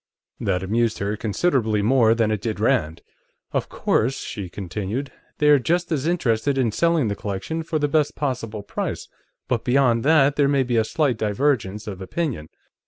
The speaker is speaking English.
That amused her considerably more than it did Rand. "Of course," she continued, "they're just as interested in selling the collection for the best possible price, but beyond that, there may be a slight divergence of opinion.